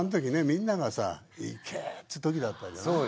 みんながさいけ！って時だったじゃない？